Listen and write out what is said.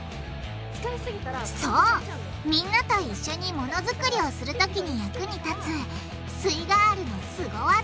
そうみんなと一緒にものづくりをするときに役に立つすイガールのスゴ技！